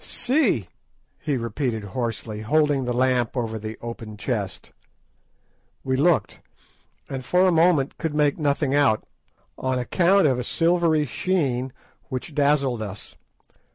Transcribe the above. "See!" he repeated hoarsely, holding the lamp over the open chest. We looked, and for a moment could make nothing out, on account of a silvery sheen which dazzled us.